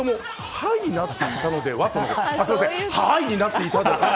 はぁい！になっていたのではと。